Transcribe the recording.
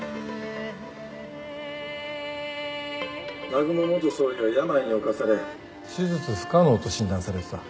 南雲元総理は病に侵され手術不可能と診断されてた。